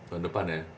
tahun depan ya